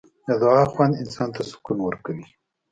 د دعا خوند انسان ته سکون ورکوي.